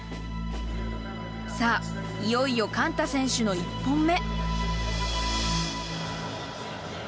さあ、いよいよ寛太選手の１本目。